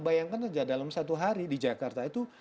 bayangkan saja dalam satu hari di jakarta itu